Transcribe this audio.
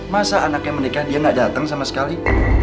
masa anaknya menikah dia gak datang sama sekali